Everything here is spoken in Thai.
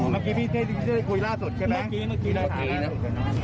อ๋อเมื่อกี้พี่เจ๊คุยล่าสดใช่ไหมโอเคนะพี่เจ๊คุยล่าสดใช่ไหม